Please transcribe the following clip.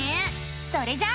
それじゃあ。